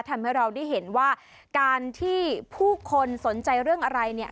ทำให้เราได้เห็นว่าการที่ผู้คนสนใจเรื่องอะไรเนี่ย